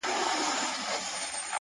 بغاوت دی سرکښي ده؛ زندگي د مستۍ نوم دی